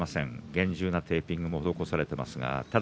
厳重なテーピングを施されています。